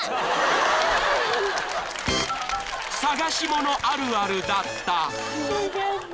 ［捜し物あるあるだった］